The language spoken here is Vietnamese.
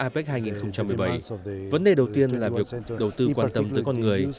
trong việc tổ chức apec hai nghìn một mươi bảy vấn đề đầu tiên là việc đầu tư quan tâm tới con người